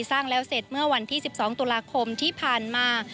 สร้างแล้วเสร็จเมื่อวันที่๑๒ตุลาคมที่ผ่านมา